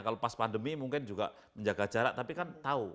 kalau pas pandemi mungkin juga menjaga jarak tapi kan tahu